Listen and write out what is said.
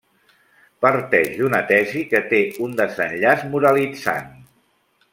Parteix d'una tesi que té un desenllaç moralitzant.